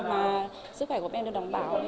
và sức khỏe của em được đảm bảo